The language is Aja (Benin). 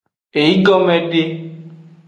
Eygome de.